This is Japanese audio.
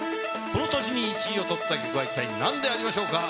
この年に１位を取った曲は一体なんでありましょうか。